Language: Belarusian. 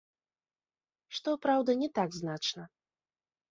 Што праўда, не так значна.